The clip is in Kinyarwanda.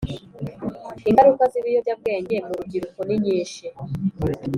. Ingaruka z’ibiyobyabwenge mu rubyiruko ni nyinshi